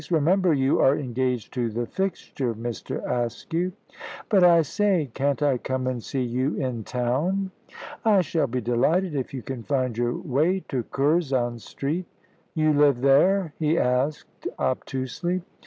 "Remember you are engaged to the fixture, Mr. Askew." "But I say, can't I come and see you in town?" "I shall be delighted, if you can find your way to Curzon Street." "You live there?" he asked obtusely.